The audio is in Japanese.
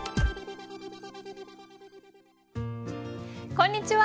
こんにちは。